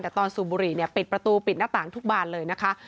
แต่ตอนสูบบุหรี่ปิดประตูปิดหน้าต่างทุกบานเลยนะคะ